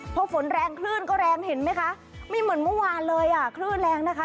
พอฝนแรงคลื่นก็แรงเห็นไหมคะไม่เหมือนเมื่อวานเลยอ่ะคลื่นแรงนะคะ